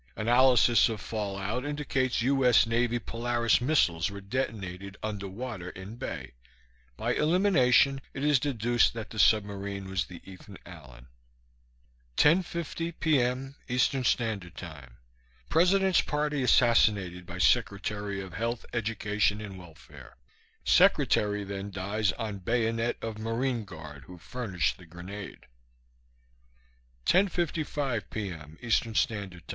Analysis of fallout indicates U.S. Navy Polaris missiles were detonated underwater in bay; by elimination it is deduced that the submarine was the Ethan Allen. 10:50 PM, E.S.T.: President's party assassinated by Secretary of Health, Education and Welfare; Secretary then dies on bayonet of Marine guard who furnished the grenade. 10:55 PM, E.S.T.